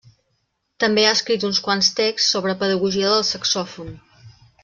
També ha escrit uns quants texts sobre pedagogia del saxòfon.